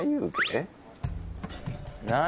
何？